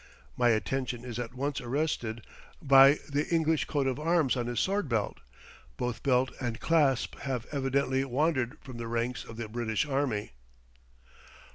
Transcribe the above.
My attention is at once arrested by the English coat of arms on his sword belt; both belt and clasp have evidently wandered from the ranks of the British army.